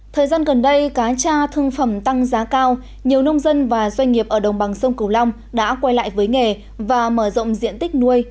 thời gian gần đây cá cha thương phẩm tăng giá cao nhiều nông dân và doanh nghiệp ở đồng bằng sông cửu long đã quay lại với nghề và mở rộng diện tích nuôi